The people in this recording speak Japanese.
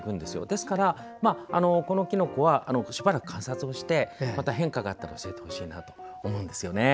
ですから、このきのこはしばらく観察をしてまた変化があったら教えてほしいなと思います。